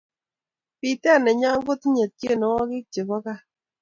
biteet nenyo kotinyei tienwokik chebo gaa